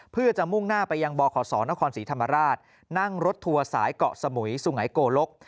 เพื่อจะมุ่งหน้าไปยังบขศนครศรีธรรมราชนั่งรถทัวร์สายเกาะสมุยสุงัยโกลก